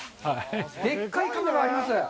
でっかい釜があります。